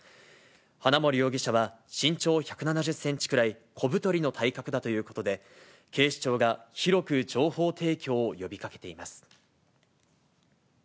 花森容疑者は身長１７０センチぐらい、小太りの体格だということで、警視庁が広く情報提供を呼びかけています。